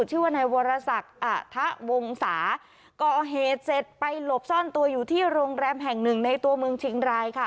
ชื่อว่านายวรสักอะทะวงศาก่อเหตุเสร็จไปหลบซ่อนตัวอยู่ที่โรงแรมแห่งหนึ่งในตัวเมืองเชียงรายค่ะ